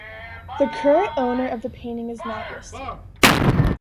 The current owner of the painting is not listed.